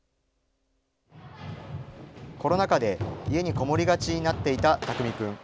コロナ禍で家に籠もりがちになっていた巧君。